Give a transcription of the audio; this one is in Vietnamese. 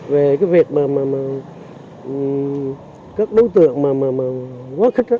về cái việc mà các đối tượng quá khích